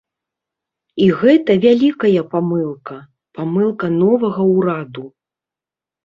І гэта вялікая памылка, памылка новага ўраду.